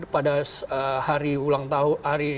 pada hari ulang tahun